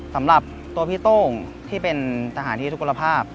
สำหรับตัวพี่โต้งที่เป็นทหารที่ทุกคนภาพ